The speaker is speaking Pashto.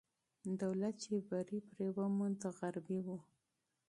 دولت چې بری پرې وموند، غربي وو.